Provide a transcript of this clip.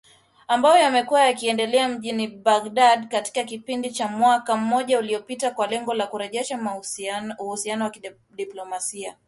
Ambayo yamekuwa yakiendelea mjini Baghdad katika kipindi cha mwaka mmoja uliopita kwa lengo la kurejesha uhusiano wa kidiplomasia